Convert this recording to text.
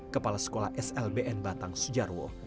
kepala sekolah slbn batang sujarwo